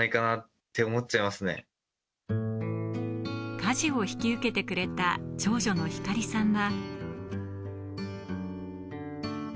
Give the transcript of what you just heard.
家事を引き受けてくれた長女の光理さんは。